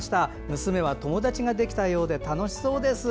娘は友達ができたようで楽しそうです。